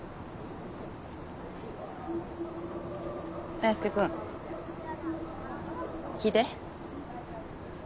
大輔君聞いて。